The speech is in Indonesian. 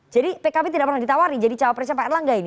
jadi pkb tidak pernah ditawari jadi cowok presnya pak erlangga ini